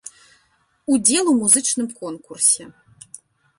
Удзел у музычным конкурсе.